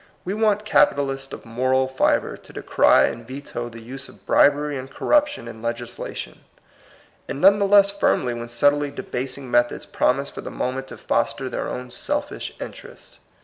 We want capitalists of moral fibre to decry and veto the use of bribery and corruption in legislation, and none the less firmly when subtly debasing methods promise for the mo ment to foster their own selfish interests.